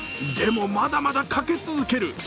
でも、まだまだかけ続ける。